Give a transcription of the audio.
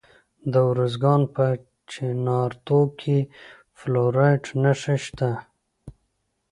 د ارزګان په چنارتو کې د فلورایټ نښې شته.